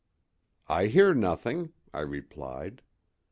"I hear nothing," I replied.